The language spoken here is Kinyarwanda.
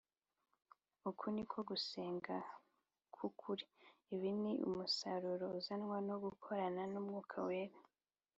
. Uku ni ko gusenga kw’ukuri. Ibi ni umusaruro uzanwa no gukorana na Mwuka Wera.